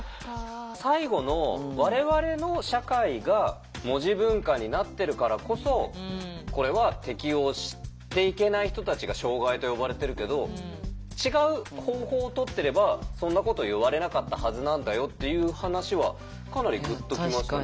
最後の我々の社会が文字文化になっているからこそこれは適応していけない人たちが障害と呼ばれてるけど違う方法をとってればそんなこと言われなかったはずなんだよっていう話はかなりグッと来ましたね。